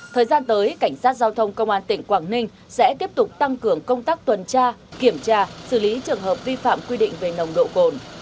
thời gian tới cảnh sát giao thông công an tỉnh quảng ninh sẽ tiếp tục tăng cường công tác tuần tra kiểm tra xử lý trường hợp vi phạm quy định về nồng độ cồn